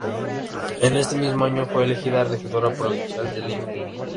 En este mismo año fue elegida regidora provincial de Lima.